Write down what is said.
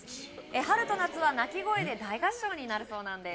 春と夏は鳴き声で大合唱になるそうなんです